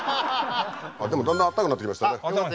でもだんだんあったかくなってきましたね。